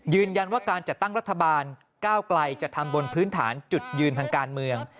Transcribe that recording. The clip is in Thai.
ยืนยันว่าการจัดตั้งรัฐบาลก้าวไกลจะทำบนพื้นฐานจุดยืนทางการเมือง